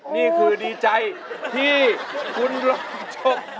นี่คือดีใจที่คุณลองชม